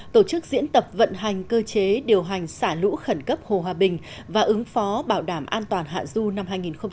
tổ chức diễn tập vận hành cơ chế điều hành xả lũ khẩn cấp hồ hòa bình và ứng phó bảo đảm an toàn hạ du năm hai nghìn một mươi chín